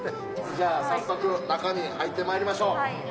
じゃあ早速中に入ってまいりましょう。